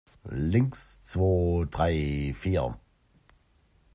Links, zwo, drei, vier!